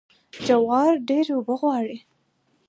جوار ډیرې اوبه غواړي.